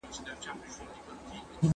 د روم امپراتوري کله سقوط وکړ؟